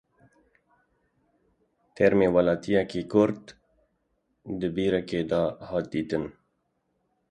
Termê welatiyekî Kurd di bîrekê de hat dîtin.